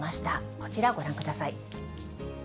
こちら、ご覧ください。